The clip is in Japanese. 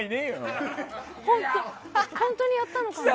本当にやったのかな？